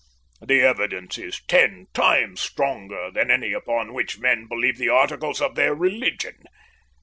The evidence is ten times stronger than any upon which men believe the articles of their religion.